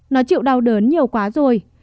nó chịu đau đớn nhiều quá rồi